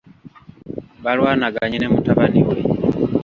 Balwanaganye ne mutabani we.